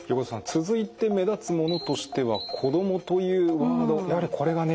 続いて目立つものとしては子供というワードやはりこれがね